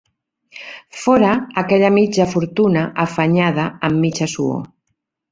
Fòra aquella mitja fortuna afanyada am mitja suor